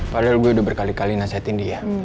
padahal gue udah berkali kali nasihatin dia